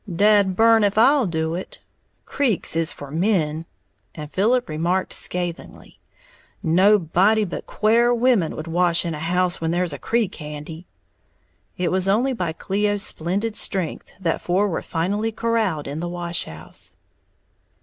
"Dad burn if I'll do it!", "Creeks is for men!", and Philip remarked scathingly, "Nobody but quare women would wash in a house when there's a creek handy!" It was only by Cleo's splendid strength that four were finally corralled in the wash house.